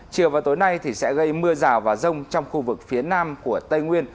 chiều vào tối nay thì sẽ gây mưa rào và rông trong khu vực phía nam của tây nguyên